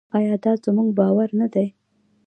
آیا دا زموږ باور نه دی؟